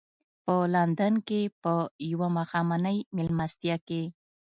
په لندن کې په یوه ماښامنۍ مېلمستیا کې.